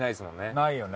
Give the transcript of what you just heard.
ないよね。